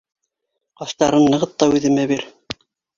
Ҡаштарын нығыт та үҙемә бир!